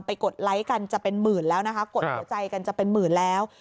กดไลค์กันจะเป็นหมื่นแล้วนะคะกดหัวใจกันจะเป็นหมื่นแล้ว